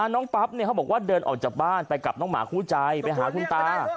น้องปั๊บเขาบอกว่าเดินออกจากบ้านไปกับน้องหมาคู่ใจไปหาคุณตา